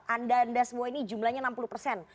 anda anda semua ini jumlahnya enam puluh persen